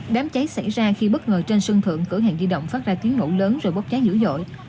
đám cháy xảy ra khi bất ngờ trên sân thượng cửa hàng di động phát ra tiếng nổ lớn rồi bốc cháy dữ dội